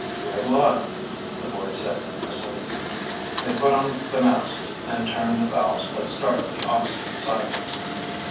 "Good luck," the boys said in unison. They put on the masks and turned the valves that started the oxygen cycles.